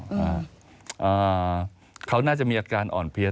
อ่าเขาน่าจะมีอาการอ่อนเพลีย